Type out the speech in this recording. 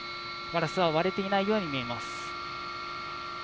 ガラスは割れていないように見えます。